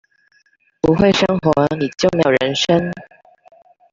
不會生活，你就沒有人生